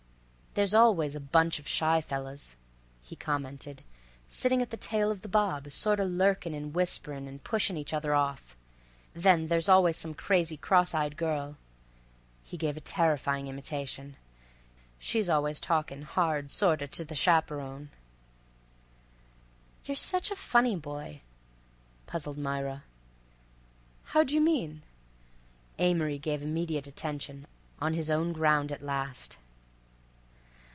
"There's always a bunch of shy fellas," he commented, "sitting at the tail of the bob, sorta lurkin' an' whisperin' an' pushin' each other off. Then there's always some crazy cross eyed girl"—he gave a terrifying imitation—"she's always talkin' hard, sorta, to the chaperon." "You're such a funny boy," puzzled Myra. "How d'y' mean?" Amory gave immediate attention, on his own ground at last.